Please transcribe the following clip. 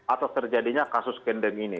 atas terjadinya kasus kendeng ini